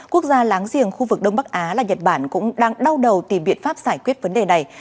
quốc gia láng giềng khu vực đông bắc á là nhật bản cũng đang đau đầu tìm biện pháp giải quyết vấn đề này